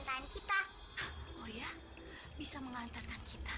kamu pakai bedak yang cantik